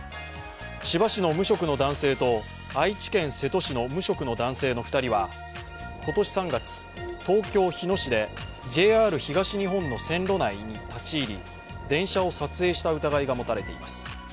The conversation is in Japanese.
千葉市の無職の男性と愛知県瀬戸市の無職の男性の２人は今年３月、東京・日野市でＪＲ東日本の線路内に立ち入り電車を撮影した疑いが持たれています。